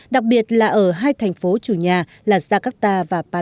đặc biệt là ở hai thành phố chủ nhà là jakarta và paris